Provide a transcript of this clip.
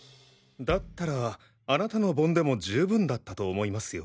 だったらあなたの盆でも十分だったと思いますよ。